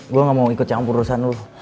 gue gak mau ikut campur urusan lu